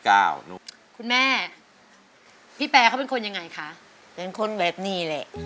เขาก็คุยหนี